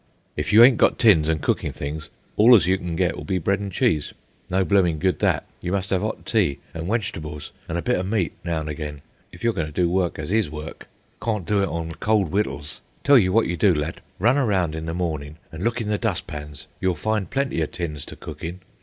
"If you ain't got tins an' cookin' things, all as you can get'll be bread and cheese. No bloomin' good that! You must 'ave 'ot tea, an' wegetables, an' a bit o' meat, now an' again, if you're goin' to do work as is work. Cawn't do it on cold wittles. Tell you wot you do, lad. Run around in the mornin' an' look in the dust pans. You'll find plenty o' tins to cook in.